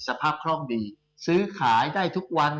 คล่องดีซื้อขายได้ทุกวัน